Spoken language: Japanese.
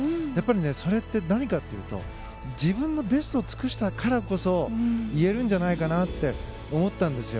それって何かというと自分のベストを出したからこそ言えるんじゃないかなって思ったんですよ。